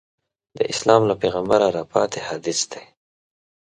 د اسلام له پیغمبره راپاتې حدیث دی.